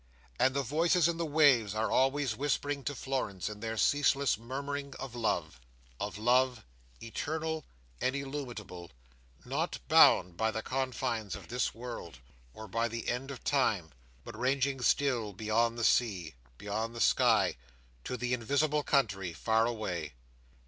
And the voices in the waves are always whispering to Florence, in their ceaseless murmuring, of love—of love, eternal and illimitable, not bounded by the confines of this world, or by the end of time, but ranging still, beyond the sea, beyond the sky, to the invisible country far away!